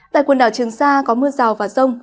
tại quần đảo trường sa có mưa rào và rông